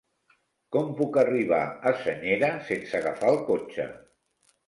Com puc arribar a Senyera sense agafar el cotxe?